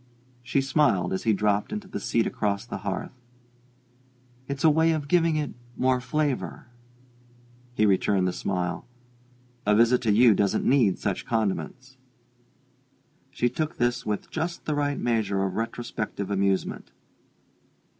She smiled as he dropped into the seat across the hearth. "It's a way of giving it more flavor!" He returned the smile. "A visit to you doesn't need such condiments." She took this with just the right measure of retrospective amusement.